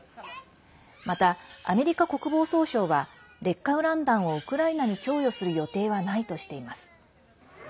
また、アメリカ国防総省は劣化ウラン弾をウクライナに供与する予定はないとしています。